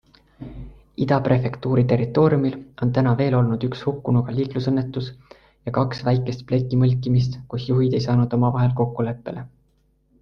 Ida-prefektuuri territooriumil on täna veel olnud üks hukkunuga liiklusõnnetus ja kaks väikest plekimõlkimist, kus juhid ei saanud omavahel kokkuleppele.